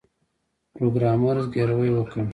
پروګرامر زګیروی وکړ